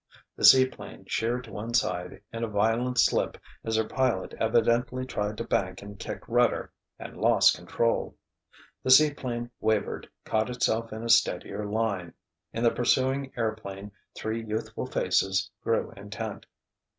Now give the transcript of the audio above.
The seaplane sheered to one side in a violent slip as her pilot evidently tried to bank and kick rudder and lost control. The seaplane wavered, caught itself in a steadier line. In the pursuing airplane three youthful faces grew intent.